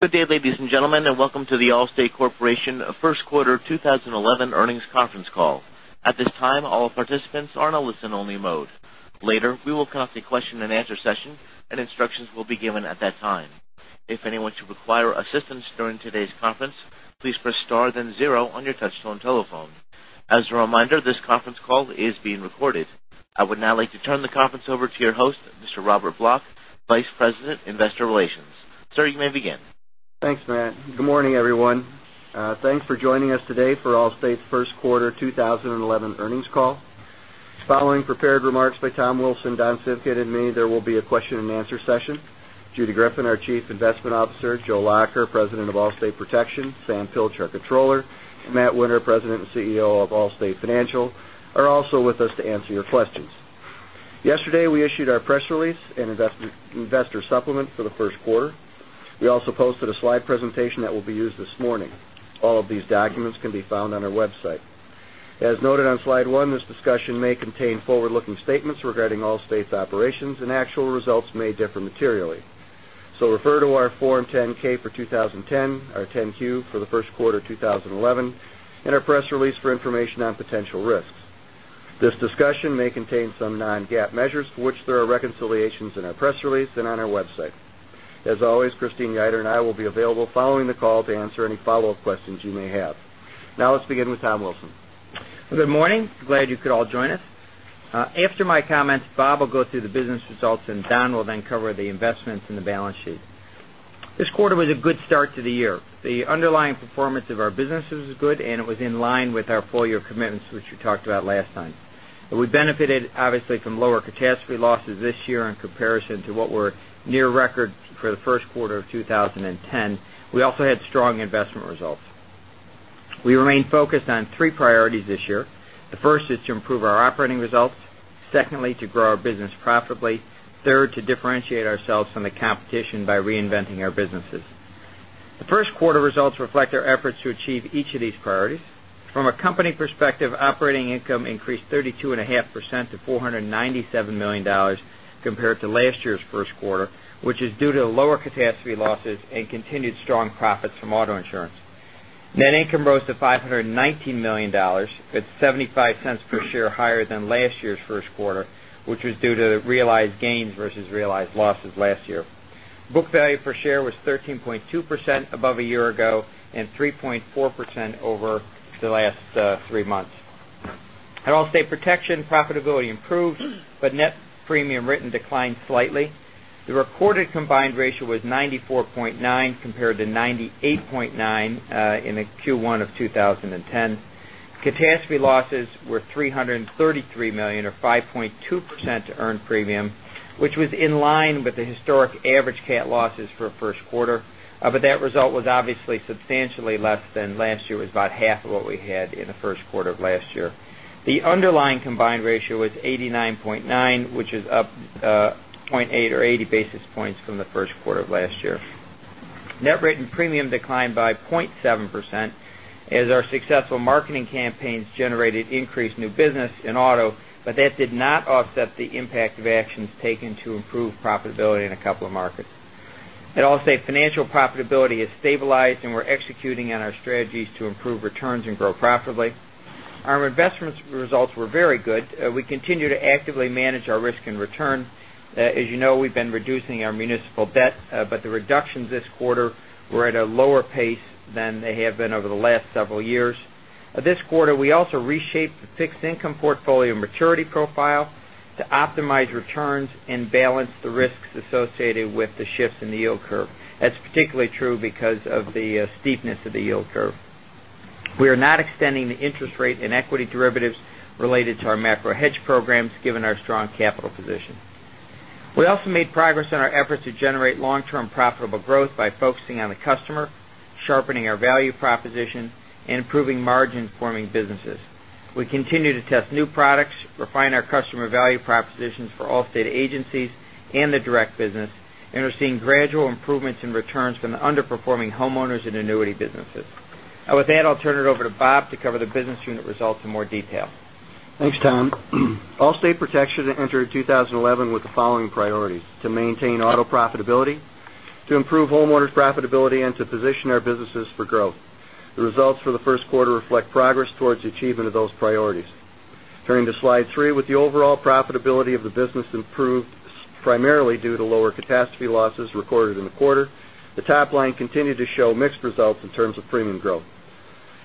Good day, ladies and gentlemen, and welcome to The Allstate Corporation First Quarter 2011 earnings conference call. At this time, all participants are in a listen-only mode. Later, we will conduct a question and answer session, and instructions will be given at that time. If anyone should require assistance during today's conference, please press star then zero on your touch-tone telephone. As a reminder, this conference call is being recorded. I would now like to turn the conference over to your host, Mr. Robert Block, Vice President, Investor Relations. Sir, you may begin. Thanks, Matt. Good morning, everyone. Thanks for joining us today for Allstate's first quarter 2011 earnings call. Following prepared remarks by Tom Wilson, Don Civgin, and me, there will be a question and answer session. Judy Greffin, our Chief Investment Officer, Joe Lacher, President of Allstate Protection, Sam Pilcher, our Controller, Matt Winter, President and CEO of Allstate Financial, are also with us to answer your questions. Yesterday, we issued our press release and investor supplement for the first quarter. We also posted a slide presentation that will be used this morning. All of these documents can be found on our website. As noted on slide one, this discussion may contain forward-looking statements regarding Allstate's operations, and actual results may differ materially. Refer to our Form 10-K for 2010, our 10-Q for the first quarter 2011, and our press release for information on potential risks. This discussion may contain some non-GAAP measures for which there are reconciliations in our press release and on our website. As always, Christine Geiter and I will be available following the call to answer any follow-up questions you may have. Now let's begin with Tom Wilson. Good morning. Glad you could all join us. After my comments, Bob will go through the business results, and Don will then cover the investments in the balance sheet. This quarter was a good start to the year. The underlying performance of our businesses was good, and it was in line with our full-year commitments, which we talked about last time. We benefited obviously from lower catastrophe losses this year in comparison to what were near record for the first quarter of 2010. We also had strong investment results. We remain focused on three priorities this year. The first is to improve our operating results. Secondly, to grow our business profitably. Third, to differentiate ourselves from the competition by reinventing our businesses. The first quarter results reflect our efforts to achieve each of these priorities. From a company perspective, operating income increased 32.5% to $497 million compared to last year's first quarter, which is due to lower catastrophe losses and continued strong profits from auto insurance. Net income rose to $519 million, at $0.75 per share higher than last year's first quarter, which was due to realized gains versus realized losses last year. Book value per share was 13.2% above a year ago and 3.4% over the last three months. At Allstate Protection, profitability improved, net premium written declined slightly. The recorded combined ratio was 94.9 compared to 98.9 in Q1 of 2010. Catastrophe losses were $333 million, or 5.2% to earn premium, which was in line with the historic average cat losses for a first quarter. That result was obviously substantially less than last year, was about half of what we had in the first quarter of last year. The underlying combined ratio was 89.9, which is up 0.8 or 80 basis points from the first quarter of last year. Net written premium declined by 0.7% as our successful marketing campaigns generated increased new business in auto, but that did not offset the impact of actions taken to improve profitability in a couple of markets. At Allstate Financial, profitability has stabilized, and we're executing on our strategies to improve returns and grow profitably. Our investment results were very good. We continue to actively manage our risk and return. As you know, we've been reducing our municipal debt, but the reductions this quarter were at a lower pace than they have been over the last several years. This quarter, we also reshaped the fixed income portfolio maturity profile to optimize returns and balance the risks associated with the shifts in the yield curve. That's particularly true because of the steepness of the yield curve. We are not extending the interest rate in equity derivatives related to our macro hedge programs, given our strong capital position. We also made progress on our efforts to generate long-term profitable growth by focusing on the customer, sharpening our value proposition, and improving margin-forming businesses. We continue to test new products, refine our customer value propositions for Allstate agencies and the direct business, and are seeing gradual improvements in returns from the underperforming homeowners and annuity businesses. With that, I'll turn it over to Bob to cover the business unit results in more detail. Thanks, Tom. Allstate Protection entered 2011 with the following priorities: to maintain auto profitability, to improve homeowners profitability, and to position our businesses for growth. The results for the first quarter reflect progress towards the achievement of those priorities. Turning to slide three, with the overall profitability of the business improved primarily due to lower catastrophe losses recorded in the quarter, the top line continued to show mixed results in terms of premium growth.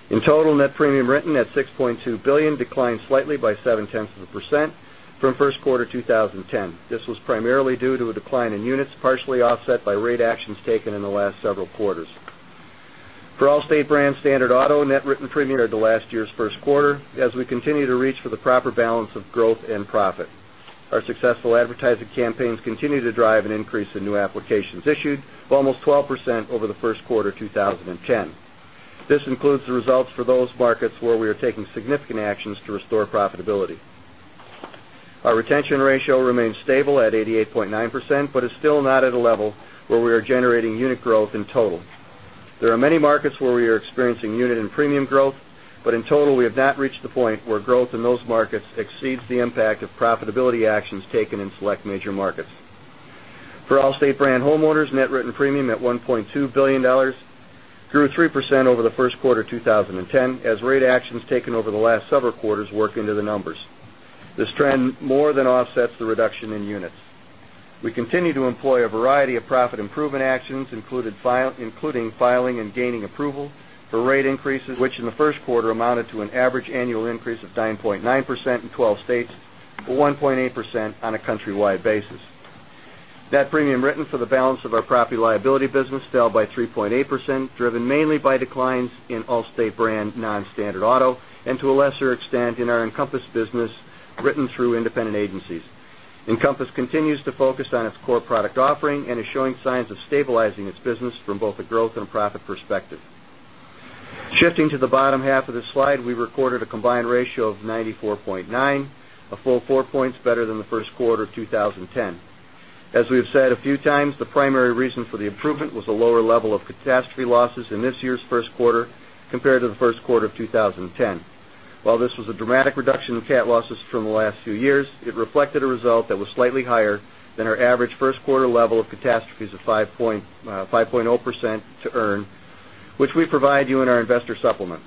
In total, net premium written at $6.2 billion declined slightly by 0.7% from first quarter 2010. This was primarily due to a decline in units, partially offset by rate actions taken in the last several quarters. For Allstate brand standard auto, net written premium compared to last year's first quarter, as we continue to reach for the proper balance of growth and profit. Our successful advertising campaigns continue to drive an increase in new applications issued of almost 12% over the first quarter 2010. This includes the results for those markets where we are taking significant actions to restore profitability. Our retention ratio remains stable at 88.9%, but is still not at a level where we are generating unit growth in total. There are many markets where we are experiencing unit and premium growth, but in total, we have not reached the point where growth in those markets exceeds the impact of profitability actions taken in select major markets. For Allstate brand homeowners, net written premium at $1.2 billion grew 3% over the first quarter 2010 as rate actions taken over the last several quarters work into the numbers. This trend more than offsets the reduction in units. We continue to employ a variety of profit improvement actions, including filing and gaining approval for rate increases, which in the first quarter amounted to an average annual increase of 9.9% in 12 states, or 1.8% on a countrywide basis. Net premium written for the balance of our property liability business fell by 3.8%, driven mainly by declines in Allstate brand non-standard auto, and to a lesser extent, in our Encompass business written through independent agencies. Encompass continues to focus on its core product offering and is showing signs of stabilizing its business from both a growth and a profit perspective. Shifting to the bottom half of this slide, we recorded a combined ratio of 94.9, a full four points better than the first quarter of 2010. As we have said a few times, the primary reason for the improvement was a lower level of catastrophe losses in this year's first quarter compared to the first quarter of 2010. While this was a dramatic reduction of cat losses from the last few years, it reflected a result that was slightly higher than our average first quarter level of catastrophes of 5.0% to earn, which we provide you in our investor supplement.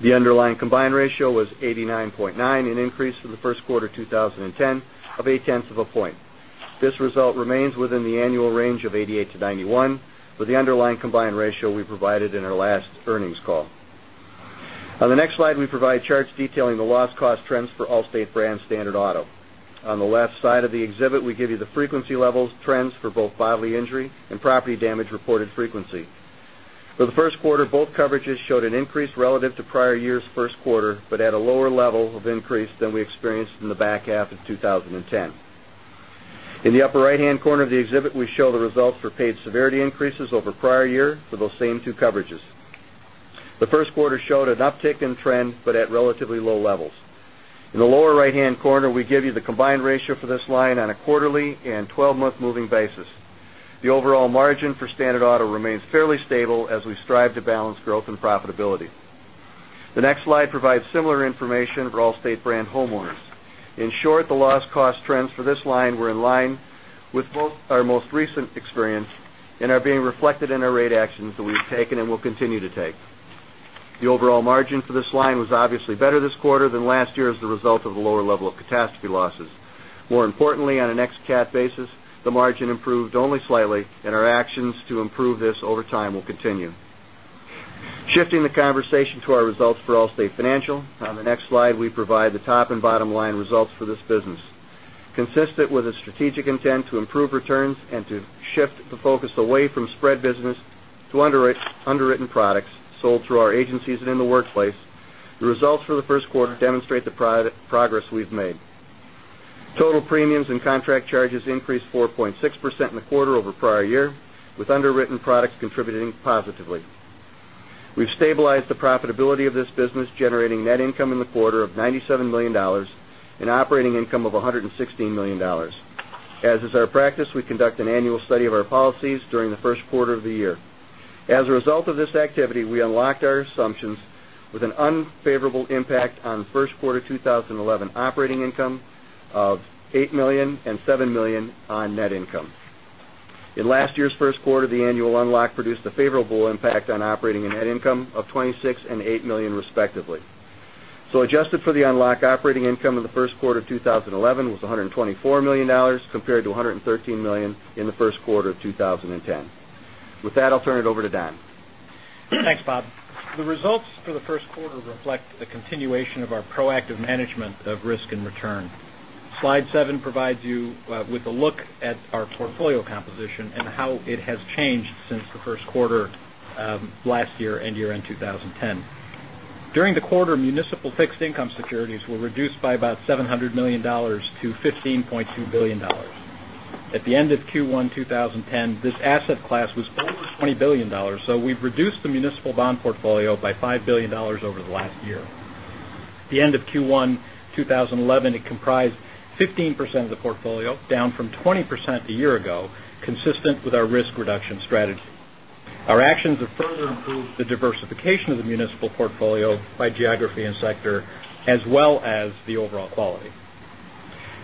The underlying combined ratio was 89.9, an increase from the first quarter 2010 of eight tenths of a point. This result remains within the annual range of 88 to 91, with the underlying combined ratio we provided in our last earnings call. On the next slide, we provide charts detailing the loss cost trends for Allstate brand standard auto. On the left side of the exhibit, we give you the frequency levels trends for both bodily injury and property damage reported frequency. For the first quarter, both coverages showed an increase relative to prior year's first quarter, but at a lower level of increase than we experienced in the back half of 2010. In the upper right-hand corner of the exhibit, we show the results for paid severity increases over prior year for those same two coverages. The first quarter showed an uptick in trend, but at relatively low levels. In the lower right-hand corner, we give you the combined ratio for this line on a quarterly and 12-month moving basis. The overall margin for standard auto remains fairly stable as we strive to balance growth and profitability. The next slide provides similar information for Allstate brand homeowners. In short, the loss cost trends for this line were in line with both our most recent experience and are being reflected in our rate actions that we've taken and will continue to take. The overall margin for this line was obviously better this quarter than last year as the result of the lower level of catastrophe losses. More importantly, on an ex cat basis, the margin improved only slightly, and our actions to improve this over time will continue. Shifting the conversation to our results for Allstate Financial, on the next slide, we provide the top and bottom-line results for this business. Consistent with the strategic intent to improve returns and to shift the focus away from spread business to underwritten products sold through our agencies and in the workplace, the results for the first quarter demonstrate the progress we've made. Total premiums and contract charges increased 4.6% in the quarter over prior year, with underwritten products contributing positively. We've stabilized the profitability of this business, generating net income in the quarter of $97 million and operating income of $116 million. As is our practice, we conduct an annual study of our policies during the first quarter of the year. As a result of this activity, we unlocked our assumptions with an unfavorable impact on first quarter 2011 operating income of $8 million and $7 million on net income. In last year's first quarter, the annual unlock produced a favorable impact on operating and net income of $26 million and $8 million, respectively. Adjusted for the unlock operating income in the first quarter of 2011 was $124 million, compared to $113 million in the first quarter of 2010. With that, I'll turn it over to Don. Thanks, Bob. The results for the first quarter reflect the continuation of our proactive management of risk and return. Slide seven provides you with a look at our portfolio composition and how it has changed since the first quarter of last year and year-end 2010. During the quarter, municipal fixed income securities were reduced by about $700 million to $15.2 billion. At the end of Q1 2010, this asset class was over $20 billion. We've reduced the municipal bond portfolio by $5 billion over the last year. At the end of Q1 2011, it comprised 15% of the portfolio, down from 20% a year ago, consistent with our risk reduction strategy. Our actions have further improved the diversification of the municipal portfolio by geography and sector, as well as the overall quality.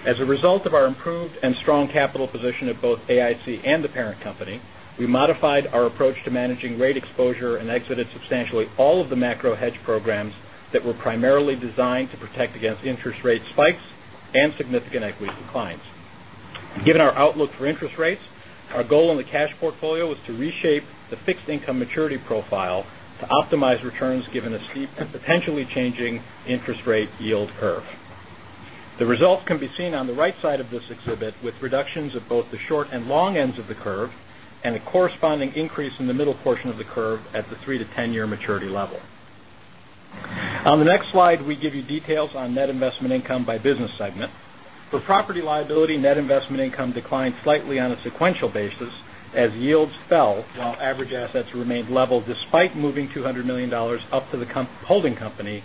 As a result of our improved and strong capital position at both AIC and the parent company, we modified our approach to managing rate exposure and exited substantially all of the macro hedge programs that were primarily designed to protect against interest rate spikes and significant equity declines. Given our outlook for interest rates, our goal in the cash portfolio was to reshape the fixed income maturity profile to optimize returns given a steep and potentially changing interest rate yield curve. The results can be seen on the right side of this exhibit, with reductions at both the short and long ends of the curve, and a corresponding increase in the middle portion of the curve at the 3- to 10-year maturity level. On the next slide, we give you details on net investment income by business segment. For property liability, net investment income declined slightly on a sequential basis as yields fell while average assets remained level despite moving $200 million up to the holding company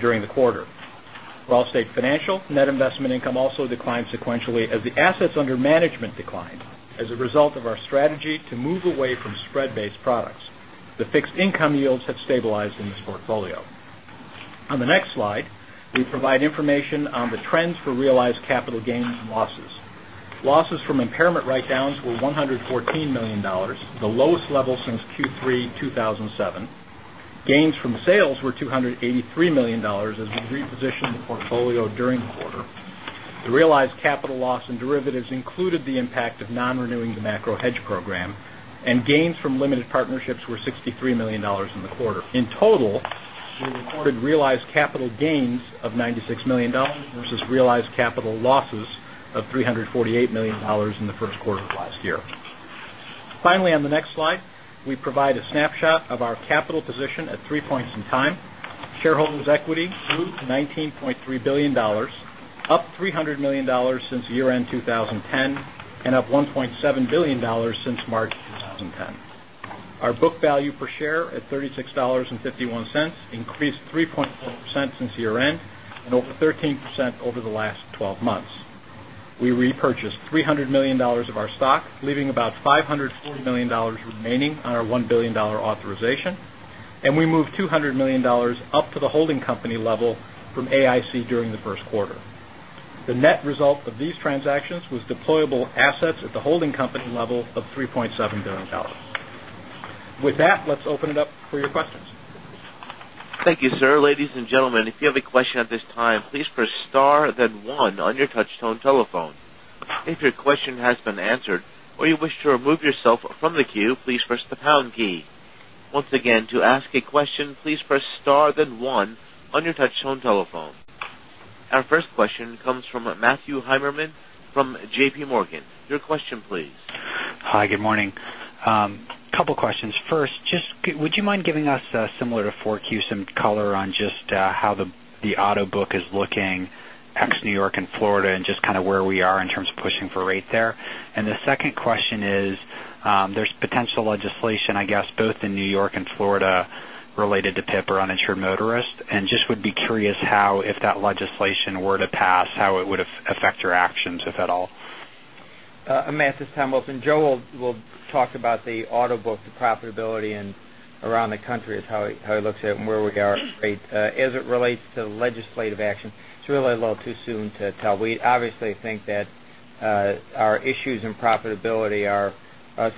during the quarter. For Allstate Financial, net investment income also declined sequentially as the assets under management declined as a result of our strategy to move away from spread-based products. The fixed income yields have stabilized in this portfolio. On the next slide, we provide information on the trends for realized capital gains and losses. Losses from impairment write-downs were $114 million, the lowest level since Q3 2007. Gains from sales were $283 million as we repositioned the portfolio during the quarter. The realized capital loss and derivatives included the impact of non-renewing the macro hedge program, and gains from limited partnerships were $63 million in the quarter. In total, we reported realized capital gains of $96 million versus realized capital losses of $348 million in the first quarter of last year. Finally, on the next slide, we provide a snapshot of our capital position at three points in time. Shareholders' equity grew to $19.3 billion, up $300 million since year-end 2010 and up $1.7 billion since March 2010. Our book value per share at $36.51 increased 3.4% since year-end and over 13% over the last 12 months. We repurchased $300 million of our stock, leaving about $540 million remaining on our $1 billion authorization, and we moved $200 million up to the holding company level from AIC during the first quarter. The net result of these transactions was deployable assets at the holding company level of $3.7 billion. With that, let's open it up for your questions. Thank you, sir. Ladies and gentlemen, if you have a question at this time, please press star then one on your touchtone telephone. If your question has been answered or you wish to remove yourself from the queue, please press the pound key. Once again, to ask a question, please press star then one on your touchtone telephone. Our first question comes from Matthew Heimermann from JPMorgan. Your question please. Hi, good morning. Couple questions. First, would you mind giving us, similar to 4Q, some color on just how the auto book is looking ex New York and Florida and just kind of where we are in terms of pushing for rate there? The second question is, there's potential legislation, I guess both in New York and Florida related to PIP or uninsured motorist, and just would be curious how if that legislation were to pass, how it would affect your actions, if at all. Matt, this is Tom Wilson. Joe will talk about the auto book, the profitability and around the country is how he looks at where we are at rate. As it relates to legislative action, it's really a little too soon to tell. We obviously think that our issues in profitability are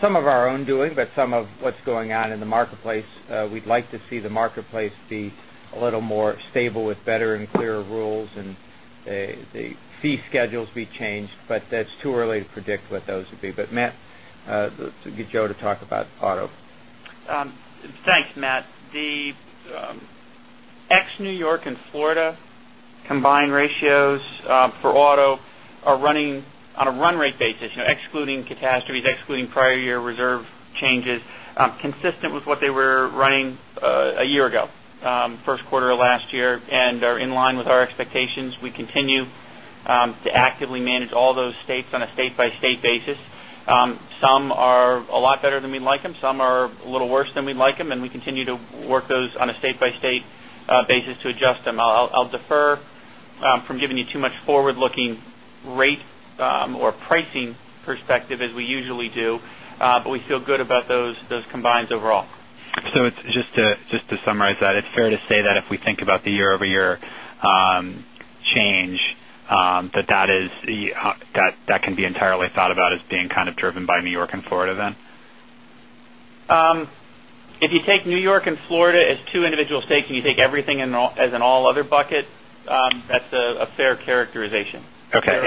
some of our own doing, but some of what's going on in the marketplace. We'd like to see the marketplace be a little more stable with better and clearer rules and the fee schedules be changed, but that's too early to predict what those would be. Matt, let's get Joe to talk about auto. Thanks, Matt. The ex New York and Florida combined ratios for auto are running on a run rate basis, excluding catastrophes, excluding prior year reserve changes, consistent with what they were running a year ago, first quarter of last year, and are in line with our expectations. We continue to actively manage all those states on a state-by-state basis. Some are a lot better than we'd like them. Some are a little worse than we'd like them, and we continue to work those on a state-by-state basis to adjust them. I'll defer from giving you too much forward-looking rate or pricing perspective as we usually do, but we feel good about those combines overall. Just to summarize that, it's fair to say that if we think about the year-over-year change, that can be entirely thought about as being kind of driven by New York and Florida then? If you take New York and Florida as two individual states, and you take everything as an all other bucket, that's a fair characterization. Okay.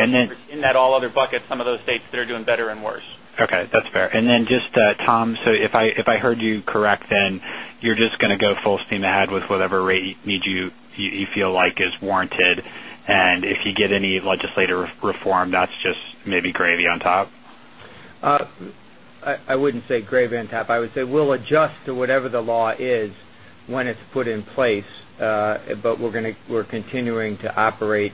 In that all other bucket, some of those states, they're doing better and worse. Okay, that's fair. Just, Tom, so if I heard you correct, then you're just going to go full steam ahead with whatever rate you feel like is warranted, and if you get any legislative reform, that's just maybe gravy on top? I wouldn't say gravy on top. I would say we'll adjust to whatever the law is when it's put in place. We're continuing to operate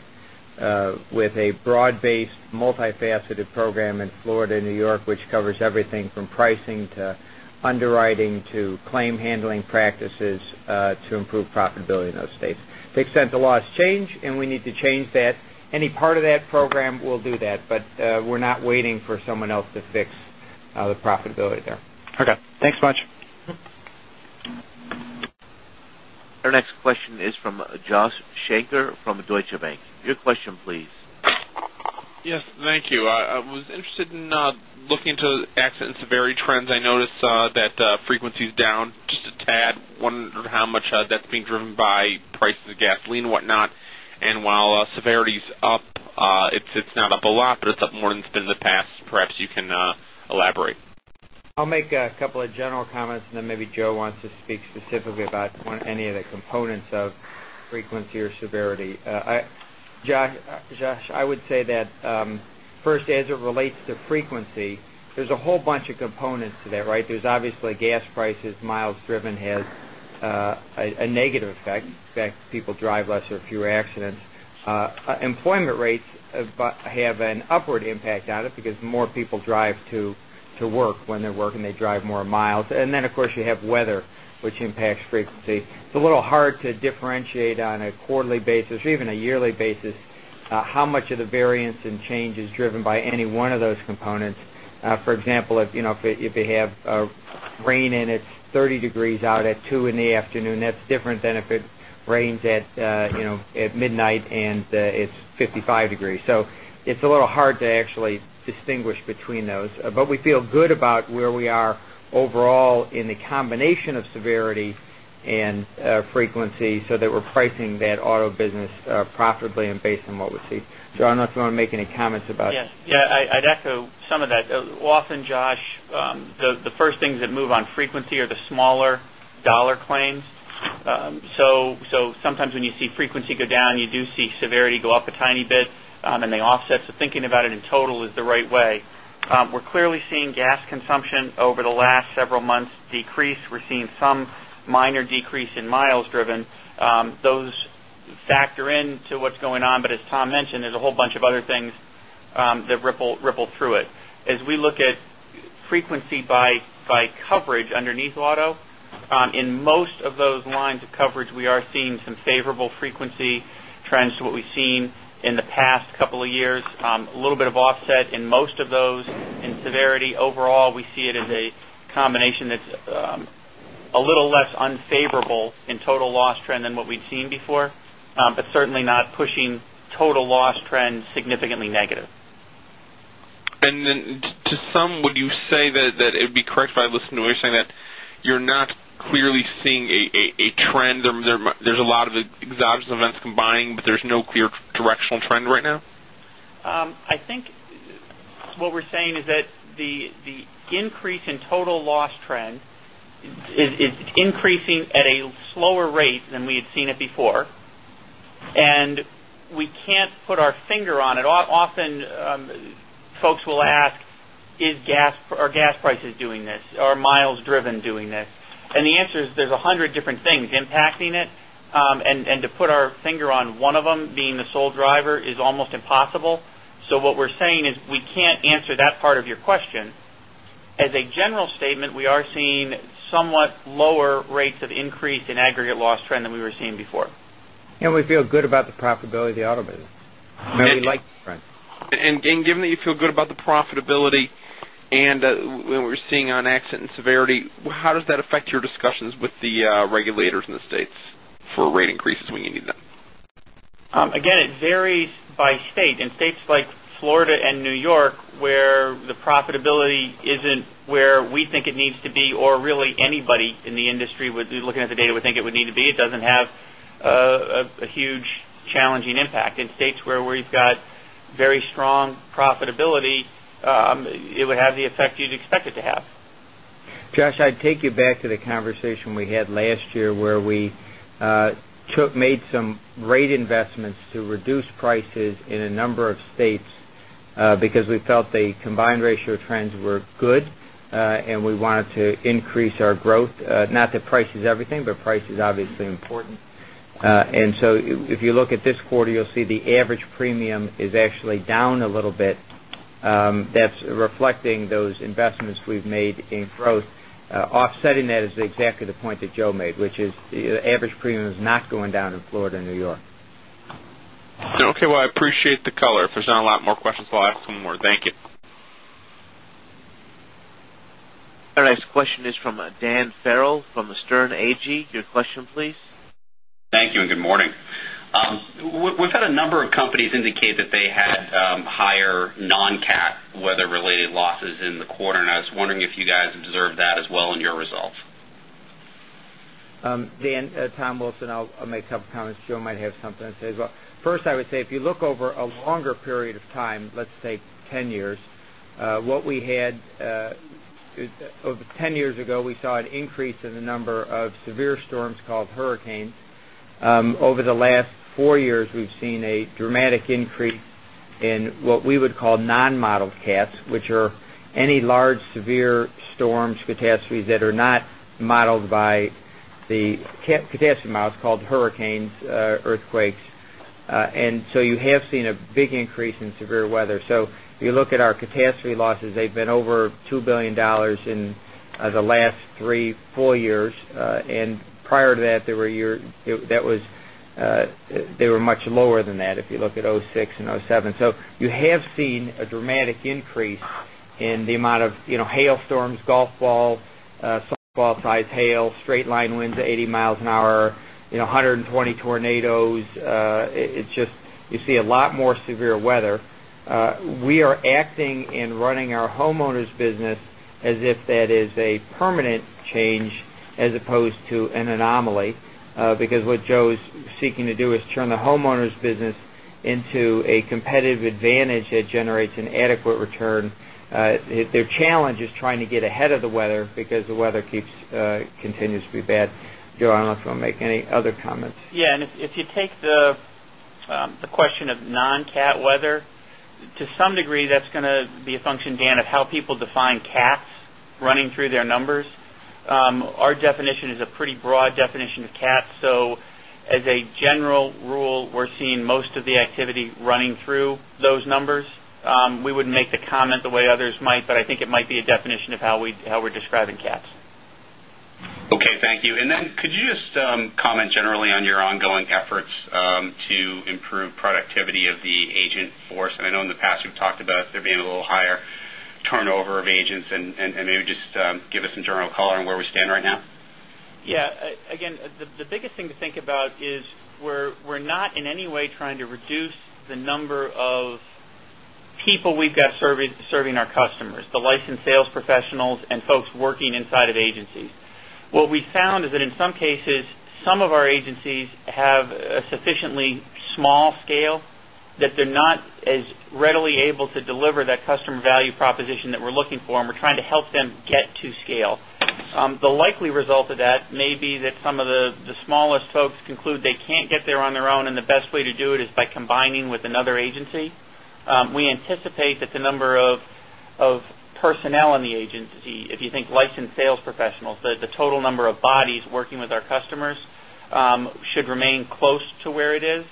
with a broad-based, multifaceted program in Florida and New York, which covers everything from pricing to underwriting to claim handling practices to improve profitability in those states. To the extent the laws change and we need to change that, any part of that program, we'll do that. We're not waiting for someone else to fix the profitability there. Okay. Thanks much. Our next question is from Joshua Shanker from Deutsche Bank. Your question please. Yes, thank you. I was interested in looking into accident severity trends. I noticed that frequency's down just a tad. Wonder how much that's being driven by prices of gasoline and whatnot. While severity's up, it's not up a lot, but it's up more than it's been in the past. Perhaps you can elaborate. I'll make a couple of general comments and then maybe Joe wants to speak specifically about any of the components of frequency or severity. Josh, I would say that first, as it relates to frequency, there's a whole bunch of components to that, right? There's obviously gas prices, miles driven has a negative effect. In fact, people drive less or fewer accidents. Employment rates have an upward impact on it because more people drive to work when they're working, they drive more miles. Then of course, you have weather, which impacts frequency. It's a little hard to differentiate on a quarterly basis or even a yearly basis how much of the variance in change is driven by any one of those components? For example, if they have rain and it's 30 degrees out at 2:00 P.M., that's different than if it rains at midnight and it's 55 degrees. It's a little hard to actually distinguish between those. We feel good about where we are overall in the combination of severity and frequency, so that we're pricing that auto business profitably and based on what we see. Joe, I don't know if you want to make any comments about it. Yes. I'd echo some of that. Often, Josh, the first things that move on frequency are the smaller dollar claims. Sometimes when you see frequency go down, you do see severity go up a tiny bit, and they offset. Thinking about it in total is the right way. We're clearly seeing gas consumption over the last several months decrease. We're seeing some minor decrease in miles driven. Those factor into what's going on. As Tom mentioned, there's a whole bunch of other things that ripple through it. As we look at frequency by coverage underneath auto, in most of those lines of coverage, we are seeing some favorable frequency trends to what we've seen in the past couple of years. A little bit of offset in most of those in severity. Overall, we see it as a combination that's a little less unfavorable in total loss trend than what we'd seen before. Certainly not pushing total loss trends significantly negative. To Sam, would you say that it would be correct if I listen to what you're saying, that you're not clearly seeing a trend? There's a lot of exogenous events combining, there's no clear directional trend right now? I think what we're saying is that the increase in total loss trend is increasing at a slower rate than we had seen it before, we can't put our finger on it. Often folks will ask, "Are gas prices doing this? Are miles driven doing this?" The answer is there's 100 different things impacting it. To put our finger on one of them being the sole driver is almost impossible. What we're saying is we can't answer that part of your question. As a general statement, we are seeing somewhat lower rates of increase in aggregate loss trend than we were seeing before. We feel good about the profitability of the auto business. Given that you feel good about the profitability and what we're seeing on accident and severity, how does that affect your discussions with the regulators in the states for rate increases when you need them? Again, it varies by state. In states like Florida and New York, where the profitability isn't where we think it needs to be, or really anybody in the industry looking at the data would think it would need to be, it doesn't have a huge challenging impact. In states where we've got very strong profitability, it would have the effect you'd expect it to have. Josh, I'd take you back to the conversation we had last year where we made some rate investments to reduce prices in a number of states because we felt the combined ratio trends were good, and we wanted to increase our growth. Not that price is everything, but price is obviously important. If you look at this quarter, you'll see the average premium is actually down a little bit. That's reflecting those investments we've made in growth. Offsetting that is exactly the point that Joe made, which is the average premium is not going down in Florida and New York. Okay. Well, I appreciate the color. If there's not a lot more questions, I'll ask one more. Thank you. Our next question is from Dan Farrell from the Sterne Agee. Your question, please. Thank you, and good morning. We've had a number of companies indicate that they had higher non-cat weather related losses in the quarter, and I was wondering if you guys observed that as well in your results. Dan, Tom Wilson. I'll make a couple comments. Joe might have something to say as well. First, I would say if you look over a longer period of time, let's say 10 years, 10 years ago, we saw an increase in the number of severe storms called hurricanes. Over the last four years, we've seen a dramatic increase in what we would call non-modeled cats, which are any large severe storms, catastrophes that are not modeled by the catastrophe models called hurricanes, earthquakes. You have seen a big increase in severe weather. If you look at our catastrophe losses, they've been over $2 billion in the last three, four years. Prior to that, they were much lower than that if you look at 2006 and 2007. You have seen a dramatic increase in the amount of hailstorms, golf ball, softball size hail, straight line winds at 80 miles an hour, 120 tornadoes. You see a lot more severe weather. We are acting and running our homeowners business as if that is a permanent change as opposed to an anomaly. What Joe is seeking to do is turn the homeowners business into a competitive advantage that generates an adequate return. Their challenge is trying to get ahead of the weather because the weather continues to be bad. Joe, I don't know if you want to make any other comments. Yeah. If you take the question of non-cat weather, to some degree, that's going to be a function, Dan, of how people define cats running through their numbers. Our definition is a pretty broad definition of cats. As a general rule, we're seeing most of the activity running through those numbers. We wouldn't make the comment the way others might, but I think it might be a definition of how we're describing cats. Okay, thank you. Could you just comment generally on your ongoing efforts to improve productivity of the agent force? I know in the past you've talked about there being a little higher turnover of agents and maybe just give us some general color on where we stand right now. Yeah. Again, the biggest thing to think about is we're not in any way trying to reduce the number of people we've got serving our customers, the licensed sales professionals and folks working inside of agencies. What we found is that in some cases, some of our agencies have a sufficiently small scale that they're not as readily able to deliver that customer value proposition that we're looking for, and we're trying to help them get to scale. The likely result of that may be that some of the smallest folks conclude they can't get there on their own, and the best way to do it is by combining with another agency. We anticipate that the number of personnel in the agency, if you think licensed sales professionals, the total number of bodies working with our customers should remain close to where it is.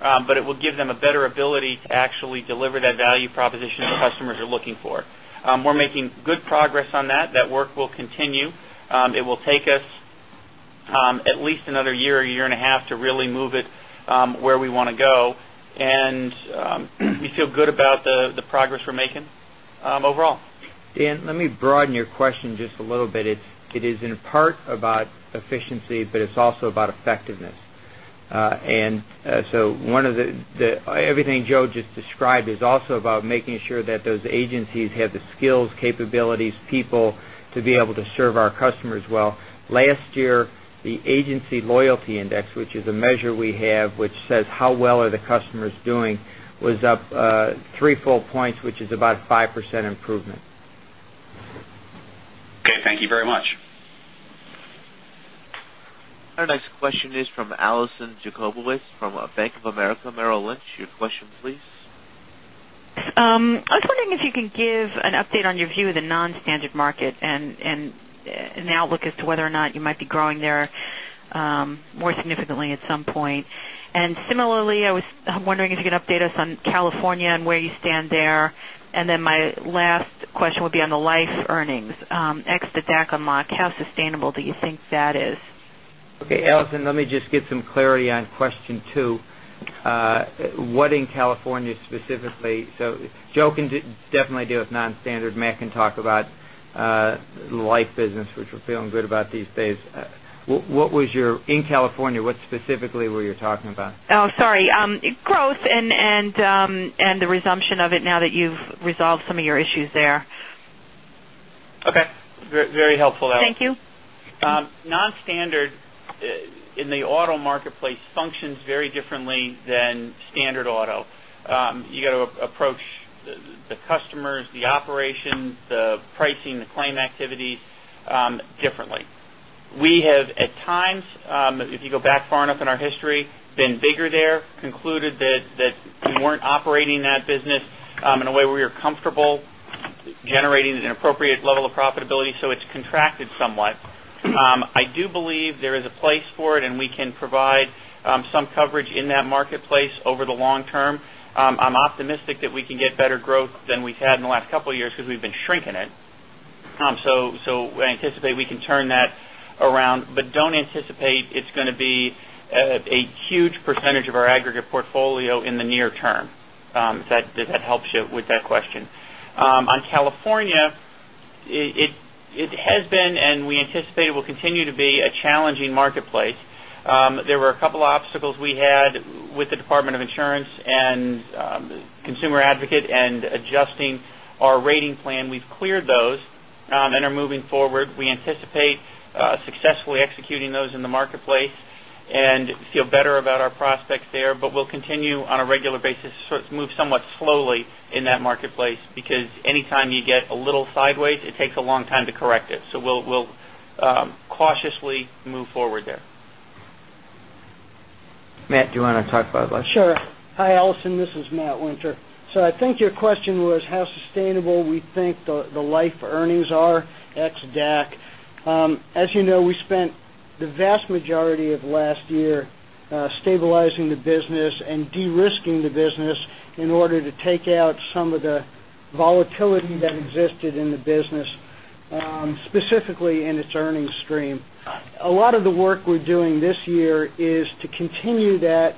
It will give them a better ability to actually deliver that value proposition that customers are looking for. We're making good progress on that. That work will continue. It will take us at least another year and a half to really move it where we want to go. We feel good about the progress we're making overall. Dan, let me broaden your question just a little bit. It is in part about efficiency, but it's also about effectiveness. Everything Joe just described is also about making sure that those agencies have the skills, capabilities, people to be able to serve our customers well. Last year, the agency loyalty index, which is a measure we have, which says how well are the customers doing, was up three full points, which is about 5% improvement. Okay, thank you very much. Our next question is from Alison Jacobowitz from Bank of America Merrill Lynch. Your question, please. I was wondering if you could give an update on your view of the non-standard market and an outlook as to whether or not you might be growing there more significantly at some point. Similarly, I was wondering if you could update us on California and where you stand there. Then my last question would be on the life earnings, ex the DAC unlock. How sustainable do you think that is? Okay, Alison, let me just get some clarity on question two. What in California specifically? Joe can definitely deal with non-standard. Matt can talk about life business, which we're feeling good about these days. In California, what specifically were you talking about? Oh, sorry. Growth and the resumption of it now that you've resolved some of your issues there. Okay. Very helpful, Alison. Thank you. Non-standard in the auto marketplace functions very differently than standard auto. You got to approach the customers, the operations, the pricing, the claim activities differently. We have, at times, if you go back far enough in our history, been bigger there, concluded that we weren't operating that business in a way we were comfortable generating an appropriate level of profitability. It's contracted somewhat. I do believe there is a place for it, and we can provide some coverage in that marketplace over the long term. I'm optimistic that we can get better growth than we've had in the last couple of years because we've been shrinking it. I anticipate we can turn that around, but don't anticipate it's going to be a huge percentage of our aggregate portfolio in the near term. If that helps you with that question. On California, it has been, and we anticipate it will continue to be, a challenging marketplace. There were a couple obstacles we had with the Department of Insurance and consumer advocate and adjusting our rating plan. We've cleared those and are moving forward. We anticipate successfully executing those in the marketplace and feel better about our prospects there. We'll continue on a regular basis to move somewhat slowly in that marketplace, because anytime you get a little sideways, it takes a long time to correct it. We'll cautiously move forward there. Matt, do you want to talk about life? Sure. Hi, Alison. This is Matt Winter. I think your question was how sustainable we think the life earnings are, ex DAC. As you know, we spent the vast majority of last year stabilizing the business and de-risking the business in order to take out some of the volatility that existed in the business, specifically in its earnings stream. A lot of the work we're doing this year is to continue that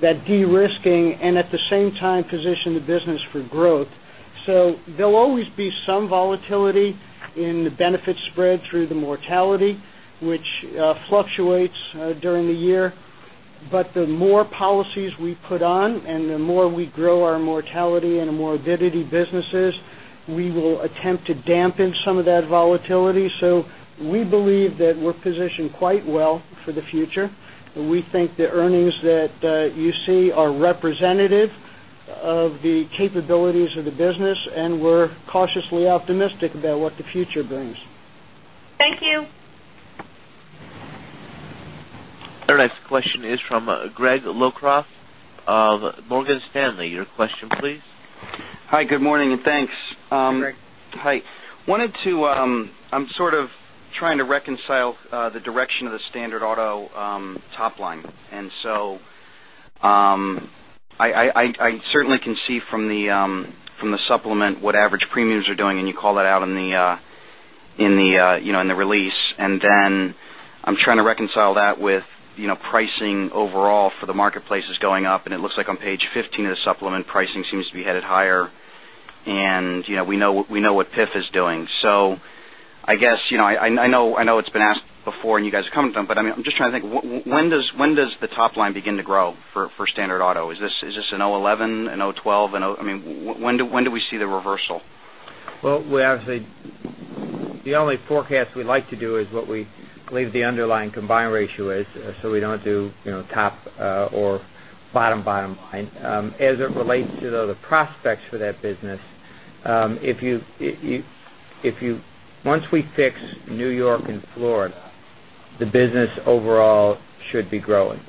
de-risking and at the same time position the business for growth. There'll always be some volatility in the benefit spread through the mortality, which fluctuates during the year. The more policies we put on and the more we grow our mortality and morbidity businesses, we will attempt to dampen some of that volatility. We believe that we're positioned quite well for the future. We think the earnings that you see are representative of the capabilities of the business, and we're cautiously optimistic about what the future brings. Thank you. Our next question is from Gregory Locraft of Morgan Stanley. Your question, please. Hi, good morning, and thanks. Hey, Greg. Hi. I'm sort of trying to reconcile the direction of the standard auto top line. I certainly can see from the supplement what average premiums are doing, you call that out in the release. I'm trying to reconcile that with pricing overall for the marketplace is going up, it looks like on page 15 of the supplement, pricing seems to be headed higher. We know what PIF is doing. I know it's been asked before and you guys have commented on it, but I'm just trying to think, when does the top line begin to grow for standard auto? Is this a 2011, a 2012? When do we see the reversal? Well, obviously, the only forecast we like to do is what we believe the underlying combined ratio is. We don't do top or bottom line. As it relates to the prospects for that business, once we fix New York and Florida, the business overall should be growing.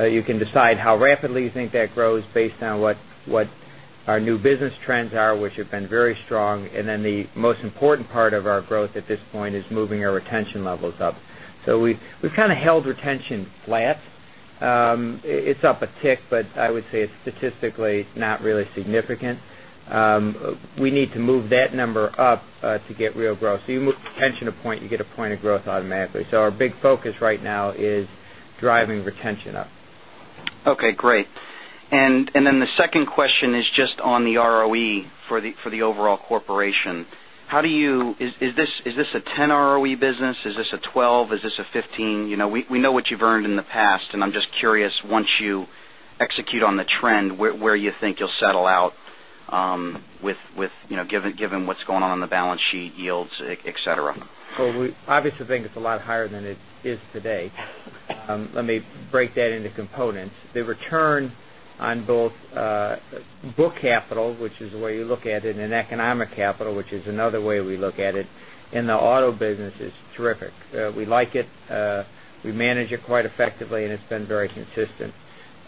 You can decide how rapidly you think that grows based on what our new business trends are, which have been very strong. The most important part of our growth at this point is moving our retention levels up. We've kind of held retention flat. It's up one tick, but I would say it's statistically not really significant. We need to move that number up to get real growth. You move retention one point, you get one point of growth automatically. Our big focus right now is driving retention up. Okay, great. The second question is just on the ROE for the overall Corporation. Is this a 10 ROE business? Is this a 12? Is this a 15? We know what you've earned in the past, I'm just curious, once you execute on the trend, where you think you'll settle out given what's going on in the balance sheet yields, et cetera? Well, we obviously think it's a lot higher than it is today. Let me break that into components. The return on both book capital, which is the way you look at it, and economic capital, which is another way we look at it, in the auto business is terrific. We like it. We manage it quite effectively, it's been very consistent.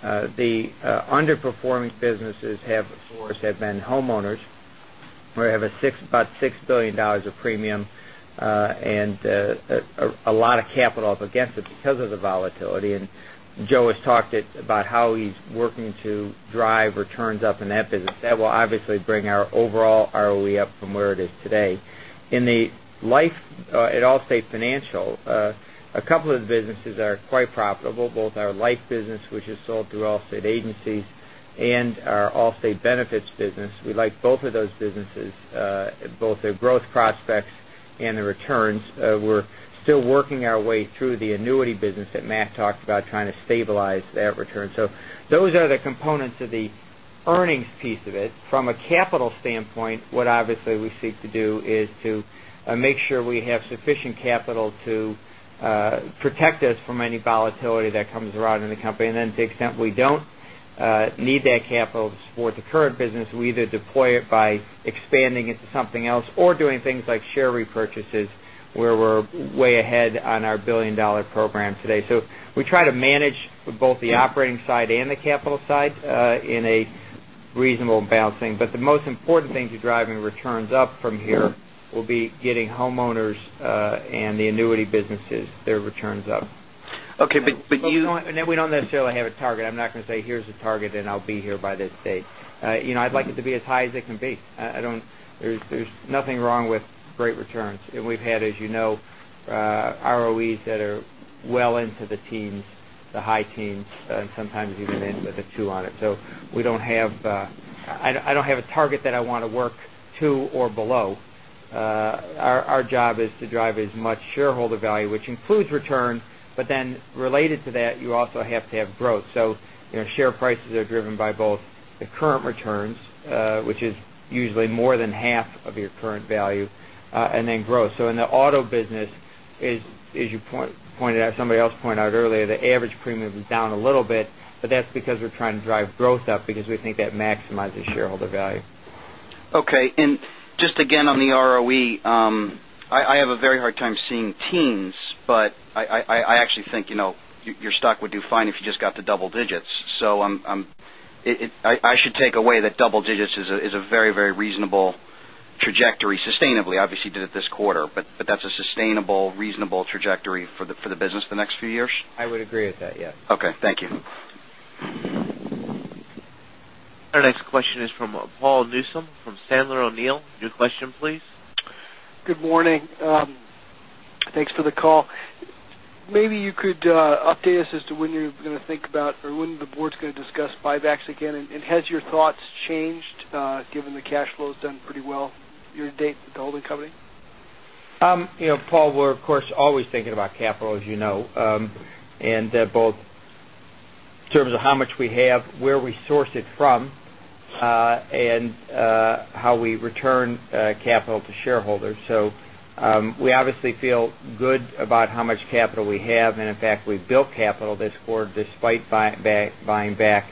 The underperforming businesses have, of course, have been homeowners, where we have about $6 billion of premium and a lot of capital up against it because of the volatility. Joe has talked about how he's working to drive returns up in that business. That will obviously bring our overall ROE up from where it is today. In Allstate Financial, a couple of the businesses are quite profitable, both our life business, which is sold through Allstate agencies, and our Allstate Benefits business. We like both of those businesses, both their growth prospects and the returns. We're still working our way through the annuity business that Matt Winter talked about trying to stabilize that return. Those are the components of the earnings piece of it. From a capital standpoint, what obviously we seek to do is to make sure we have sufficient capital to protect us from any volatility that comes around in The Allstate Corporation. To the extent we don't need that capital to support the current business, we either deploy it by expanding it to something else or doing things like share repurchases, where we're way ahead on our $1 billion program today. We try to manage both the operating side and the capital side in a reasonable balancing. The most important thing to driving returns up from here will be getting homeowners and the annuity businesses, their returns up. Okay. We don't necessarily have a target. I'm not going to say, "Here's a target, and I'll be here by this date." I'd like it to be as high as it can be. There's nothing wrong with great returns. We've had, as you know, ROEs that are well into the teens, the high teens, and sometimes even into the two on it. I don't have a target that I want to work to or below. Our job is to drive as much shareholder value, which includes return, related to that, you also have to have growth. Share prices are driven by both the current returns, which is usually more than half of your current value, growth. In the auto business, as you pointed out, somebody else pointed out earlier, the average premium is down a little bit, but that's because we're trying to drive growth up because we think that maximizes shareholder value. Okay. Just again on the ROE, I have a very hard time seeing teens, but I actually think your stock would do fine if you just got to double digits. I should take away that double digits is a very reasonable trajectory sustainably. Obviously, you did it this quarter. That's a sustainable, reasonable trajectory for the business the next few years? I would agree with that, yeah. Okay. Thank you. Our next question is from Paul Newsome from Sandler O'Neill. Your question, please. Good morning. Thanks for the call. Maybe you could update us as to when you're going to think about or when the board's going to discuss buybacks again. Has your thoughts changed given the cash flow has done pretty well year to date with the holding company? Paul, we're of course, always thinking about capital, as you know, in both terms of how much we have, where we source it from, and how we return capital to shareholders. We obviously feel good about how much capital we have. In fact, we've built capital this quarter despite buying back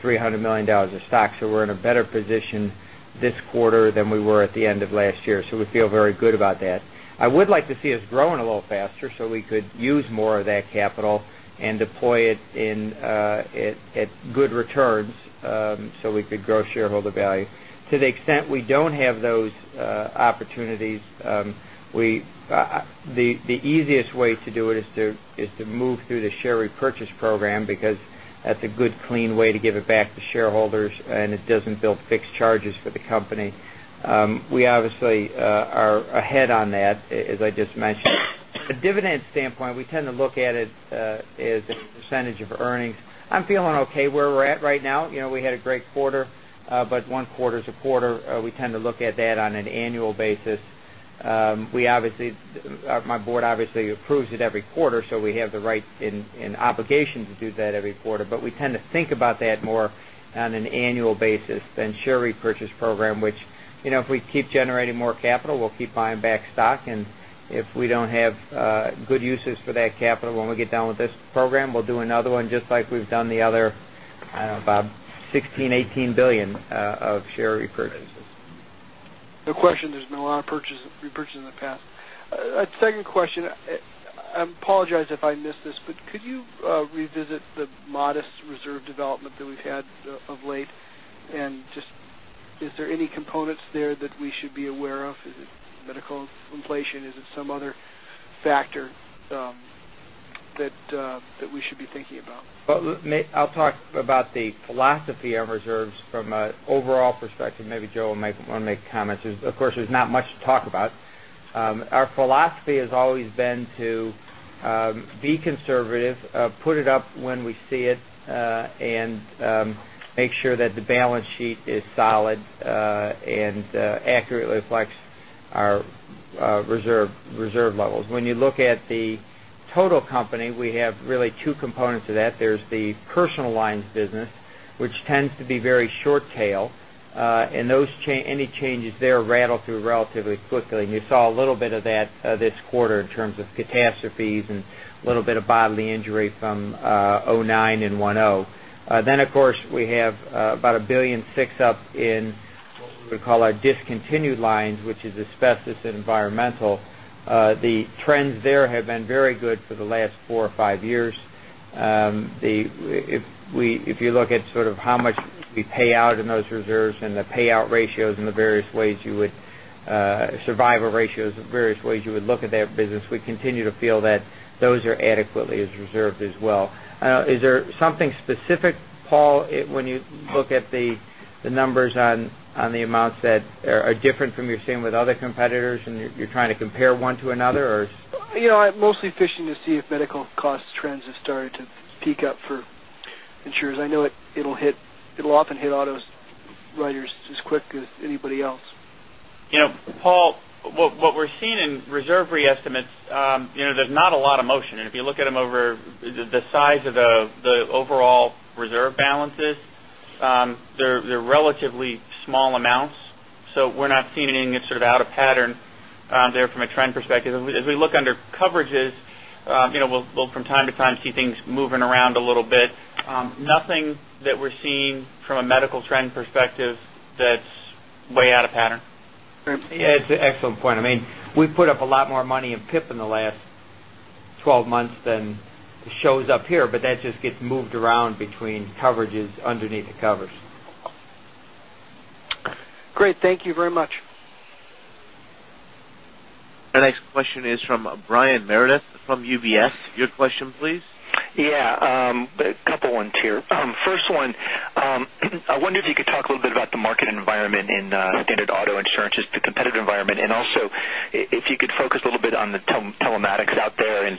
$300 million of stock. We're in a better position this quarter than we were at the end of last year. We feel very good about that. I would like to see us growing a little faster so we could use more of that capital and deploy it at good returns so we could grow shareholder value. To the extent we don't have those opportunities, the easiest way to do it is to move through the share repurchase program because that's a good, clean way to give it back to shareholders, and it doesn't build fixed charges for the company. We obviously are ahead on that, as I just mentioned. From a dividend standpoint, we tend to look at it as a percentage of earnings. I'm feeling okay where we're at right now. We had a great quarter but one quarter is a quarter. We tend to look at that on an annual basis. My board obviously approves it every quarter, so we have the right and obligation to do that every quarter. We tend to think about that more on an annual basis than share repurchase program, which if we keep generating more capital, we'll keep buying back stock. If we don't have good uses for that capital, when we get done with this program, we'll do another one just like we've done the other, I don't know, about $16 billion, $18 billion of share repurchases. No question. There's been a lot of repurchasing in the past. A second question, I apologize if I missed this, could you revisit the modest reserve development that we've had of late? Just, is there any components there that we should be aware of? Is it medical inflation? Is it some other factor that we should be thinking about? I'll talk about the philosophy on reserves from an overall perspective. Maybe Joe will want to make comments. Of course, there's not much to talk about. Our philosophy has always been to be conservative, put it up when we see it, and make sure that the balance sheet is solid and accurately reflects our reserve levels. When you look at the total company, we have really two components of that. There's the personal lines business, which tends to be very short tail. Any changes there rattle through relatively quickly. You saw a little bit of that this quarter in terms of catastrophes and a little bit of bodily injury from 2009 and 2010. Of course, we have about $1.6 billion up in what we would call our discontinued lines, which is asbestos and environmental. The trends there have been very good for the last four or five years. If you look at how much we pay out in those reserves and the payout ratios and the survival ratios of various ways you would look at that business, we continue to feel that those are adequately as reserved as well. Is there something specific, Paul, when you look at the numbers on the amounts that are different from you're seeing with other competitors and you're trying to compare one to another, or? I'm mostly fishing to see if medical cost trends have started to peak up for insurers. I know it'll often hit auto writers as quick as anybody else. Paul, what we're seeing in reserve re-estimates, there's not a lot of motion. If you look at them over the size of the overall reserve balances, they're relatively small amounts. We're not seeing anything that's sort of out of pattern there from a trend perspective. As we look under coverages, we'll from time to time see things moving around a little bit. Nothing that we're seeing from a medical trend perspective that's way out of pattern. It's an excellent point. We've put up a lot more money in PIP in the last 12 months than shows up here, that just gets moved around between coverages underneath the covers. Great. Thank you very much. Our next question is from Brian Meredith from UBS. Your question, please. Yeah, a couple ones here. First one, I wonder if you could talk a little bit about the market environment in standard auto insurance, the competitive environment. Also if you could focus a little bit on the telematics out there,